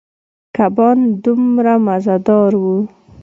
کبان دومره مزدار ووـ.